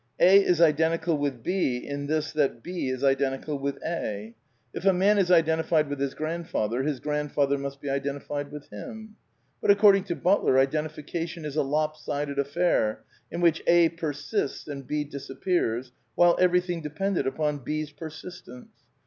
A is identical with B in this that B is identical with A. If a man is identified with his grandfather his grandfather must be identified with him. But, according to Butler, identification is a lop sided affair in which A persists and B disappears, while everything depended upon B's persistence.